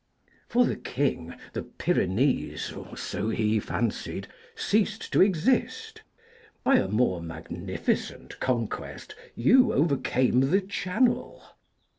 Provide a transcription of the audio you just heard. For the King the Pyrenees, or so he fancied, ceased to exist; by a more magnificent conquest you overcame the Channel.